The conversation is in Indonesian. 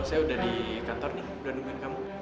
saya udah di kantor nih udah nungguin kamu